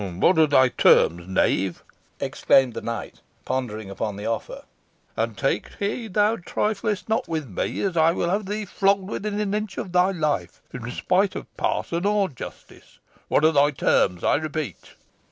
"What are thy terms, knave?" exclaimed the knight, pondering upon the offer. "And take heed thou triflest not with me, or I will have thee flogged within an inch of thy life, in spite of parson or justice. What are thy terms, I repeat?"